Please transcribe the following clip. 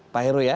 pak hero ya